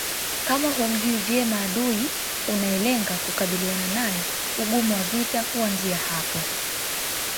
Kama humjui vyema adui unayelenga kukabiliana naye ugumu wa vita huanzia hapo